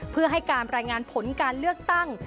เพื่อให้การรายงานผลการเลือกตั้ง